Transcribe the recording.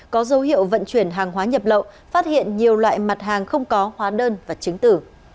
có dấu hiệu vận chuyển hàng hóa nhập lậu phát hiện nhiều loại mặt hàng không có hóa đơn và chứng tử